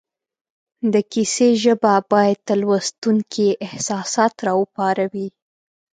د کیسې ژبه باید د لوستونکي احساسات را وپاروي